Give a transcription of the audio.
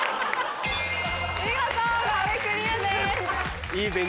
見事壁クリアです。